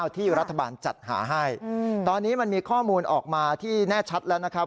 ที่รัฐบาลจัดหาให้ตอนนี้มันมีข้อมูลออกมาที่แน่ชัดแล้วนะครับ